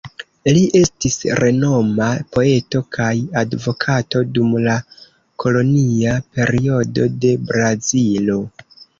Li estis renoma poeto kaj advokato dum la kolonia periodo de Brazilo.